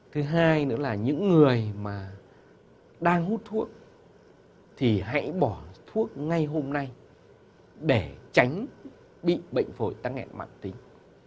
thứ hai nữa là những người mà đang hút thuốc thì hãy bỏ thuốc ngay hôm nay để tránh bị bệnh phổi tắc nghẹn mãn tính